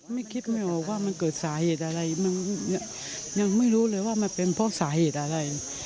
ไม่คิดไม่ออกว่ามันเกิดสาเหตุอะไรมันยังไม่รู้เลยว่ามันเป็นเพราะสาเหตุอะไร